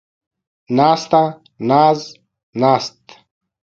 ناسته ، ناز ، ناست